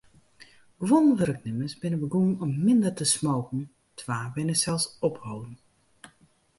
Guon wurknimmers binne begûn om minder te smoken, twa binne sels opholden.